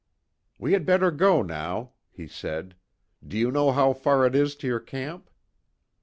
"We had better go now," he said. "Do you know how far it is to your camp?"